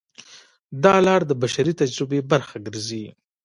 دا لار د بشري تجربې برخه ګرځي.